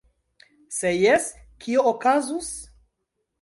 Se jes, kio okazus?!